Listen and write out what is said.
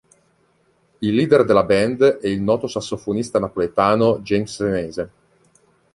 Il leader della band è il noto sassofonista napoletano James Senese.